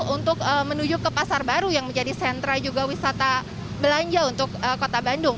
untuk menuju ke pasar baru yang menjadi sentra juga wisata belanja untuk kota bandung